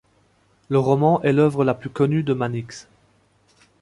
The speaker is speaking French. Le roman est l'œuvre la plus connue de Mannix.